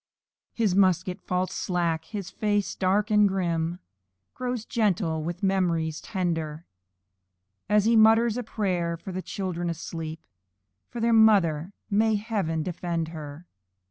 His musket falls slack, his face, dark and grim, Grows gentle with memories tender, As he mutters a prayer for the children asleep, And their mother "may heaven defend her!"